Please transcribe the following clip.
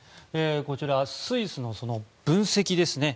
こちら、スイスの分析ですね。